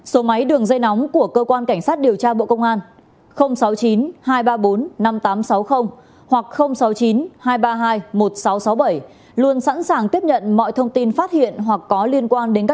số máy đường dây nóng của cơ quan cảnh sát điều tra bộ công an sáu mươi chín hai trăm ba mươi bốn năm nghìn tám trăm sáu mươi hoặc sáu mươi chín hai trăm ba mươi hai một nghìn sáu trăm sáu mươi bảy luôn sẵn sàng tiếp nhận mọi thông tin phát hiện hoặc có liên quan